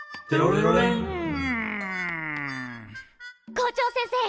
校長先生！